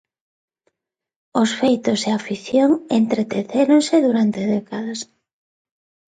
Os feitos e a ficción entretecéronse durante décadas.